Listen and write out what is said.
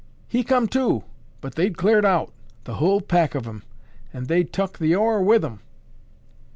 He come to, but they'd cleared out, the whule pack of 'em, an' they'd tuk the ore with 'em."